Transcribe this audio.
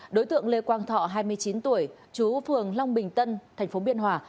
đối tượng lê quang thọ hai mươi chín tuổi chú phường long bình tân tp biên hòa